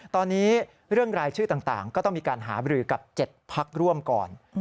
ตอนนี้เรื่องรายชื่อต่างก็ต้องมีการหาบรือกับ๗พักร่วมก่อน